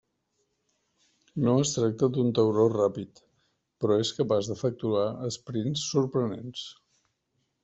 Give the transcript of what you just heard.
No es tracta d'un tauró ràpid, però és capaç d'efectuar esprints sorprenents.